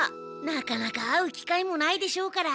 なかなか会う機会もないでしょうから。